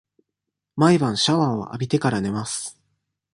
毎晩シャワーを浴びてから、寝ます。